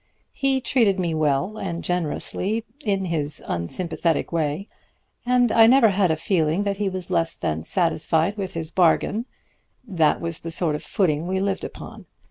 He treated me well and generously in his unsympathetic way, and I never had a feeling that he was less than satisfied with his bargain that was the sort of footing we lived upon.